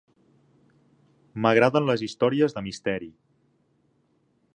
M'agraden les històries de misteri.